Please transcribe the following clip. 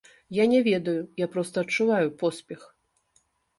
Я не ведаю, я проста адчуваю поспех.